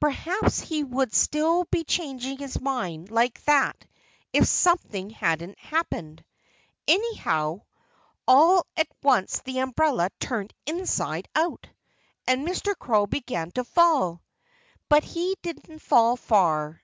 Perhaps he would still be changing his mind like that if something hadn't happened. Anyhow, all at once the umbrella turned inside out. And Mr. Crow began to fall. But he didn't fall far.